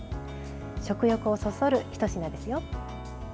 食欲をそそるひと品ですよ。